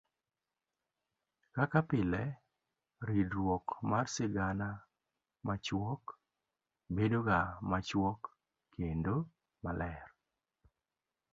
kaka pile ridruok mar sigana machuok bedoga machuok kendo maler.